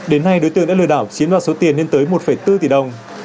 đến nay đối tượng đã lừa đảo chiếm đoạt số tiền lên tới một bốn tỷ đồng